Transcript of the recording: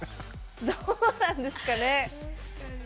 どうなんですかね？